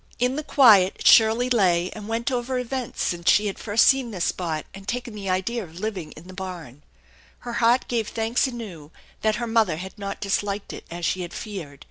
In the quiet Shirley lay and went over events since she had first seen this spot and taken the idea of living in the Ul 142 THE ENCHANTED BARN barn. Her heart gave thanks anew that her mother had not disliked it as sne had feared.